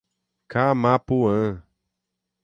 Camapuã